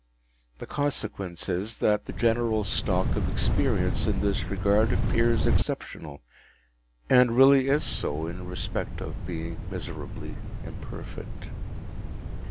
The consequence is, that the general stock of experience in this regard appears exceptional, and really is so, in respect of being miserably imperfect.